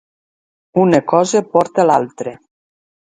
Una cosa porta l'altra.